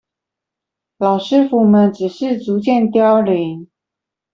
老師傅們只是逐漸凋零